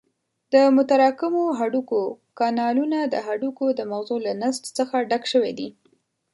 د متراکمو هډوکو کانالونه د هډوکو د مغزو له نسج څخه ډک شوي دي.